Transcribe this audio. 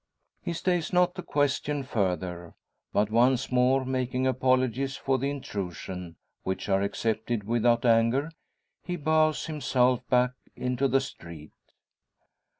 He stays not to question further; but once more making apologies for his intrusion which are accepted without anger he bows himself back into the street.